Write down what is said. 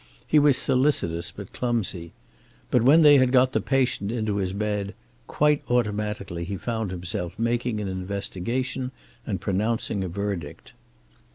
He was solicitous but clumsy. But when they had got the patient into his bed, quite automatically he found himself making an investigation and pronouncing a verdict.